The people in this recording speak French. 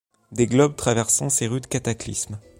Des globes traversant ces rudes cataclysmes